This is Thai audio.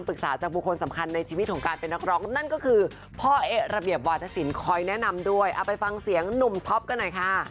เอาไปฟังเสียงนุ่มท็อปกันหน่อยค่ะ